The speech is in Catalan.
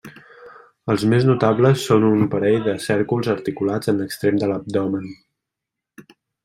Els més notables són un parell de cèrcols articulats en l'extrem de l'abdomen.